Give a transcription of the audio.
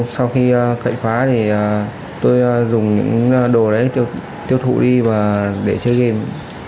sau khi cậy phá thì tôi dùng những đồ đấy tiêu thụ đi và để chơi game